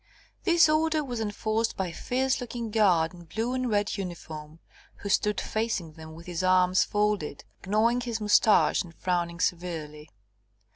This order was enforced by a fierce looking guard in blue and red uniform, who stood facing them with his arms folded, gnawing his moustache and frowning severely.